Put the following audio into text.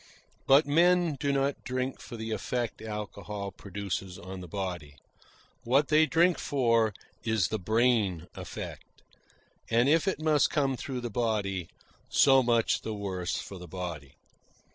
But men do not drink for the effect alcohol produces on the body. What they drink for is the brain effect; and if it must come through the body, so much the worse for the body.